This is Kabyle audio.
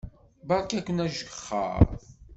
Beṛka-ken ajexxeṛ.